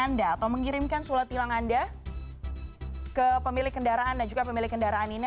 anda atau mengirimkan surat tilang anda ke pemilik kendaraan dan juga pemilik kendaraan ini